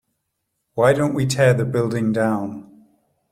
why don't we tear the building down?